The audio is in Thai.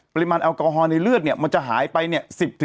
แอลกอฮอลในเลือดเนี่ยมันจะหายไปเนี่ย